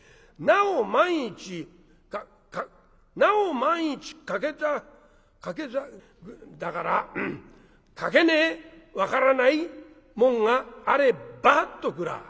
『なお万一かかなお万一かけざんかけざん』だから『描けねえ分からない紋があれば』とくらあ。